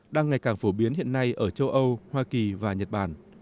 đang ngày càng phổ biến hiện nay ở châu âu hoa kỳ và nhật bản